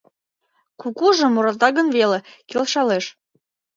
Кукужо муралта гын веле, келшалеш.